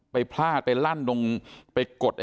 ไปพลาดไปลั่นลงไปกด